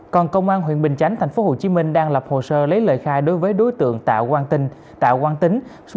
còn công an huyện bình chánh tp hcm đang lập hồ sơ lấy lời khai đối với đối tượng tạo quang tính